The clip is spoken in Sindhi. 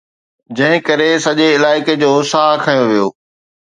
جنهن ڪري سڄي علائقي جو ساهه کنيو ويو.